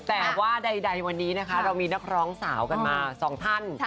แต่ว่าใดวันนี้นะคะเรามีนักร้องสาวกันมา๒ท่าน